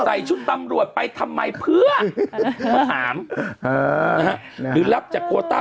ใส่ชุดตำรวจไปทำไมเพื่อมาถามหรือรับจากโคต้า